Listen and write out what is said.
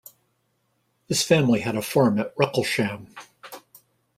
His family had a farm at Wrecclesham.